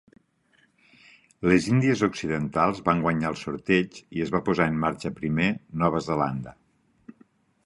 Les Índies Occidentals van guanyar el sorteig i es va posar en marxa primer Nova Zelanda.